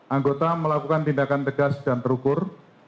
anggota melakukan tindakan tegas dan terukur